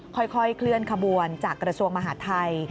ค่อยเคลื่อนขบวนจากกระทรวงมหาดไทย